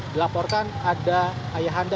dilaporkan ada ayahanda